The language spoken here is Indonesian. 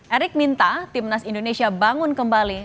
erik minta timnas indonesia bangun kembali